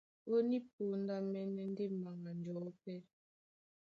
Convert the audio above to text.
Ó ní póndá mɛ́nɛ́ ndé mbaŋga njɔ̌ pɛ́,